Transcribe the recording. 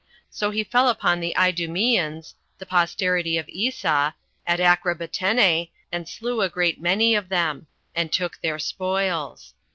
So he fell upon the Idumeans, the posterity of Esau, at Acrabattene, and slew a great many of them, and took their spoils.